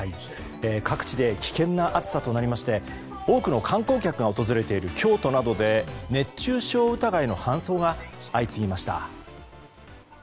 各地で危険な暑さとなりまして多くの観光客が訪れている京都などで熱中症疑いの搬送が相次ぎました。